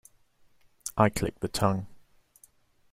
I clicked the tongue.